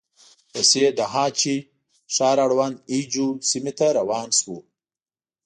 ورپسې د هه چه ښار اړوند اي جو سيمې ته روان شوو.